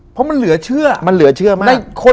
เพราะมันเหลือเชื่อมันเหลือเชื่อมาก